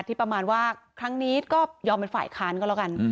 ที่ประมาณว่าครั้งนี้ก็ยอมเป็นฝ่ายค้านก็แล้วกัน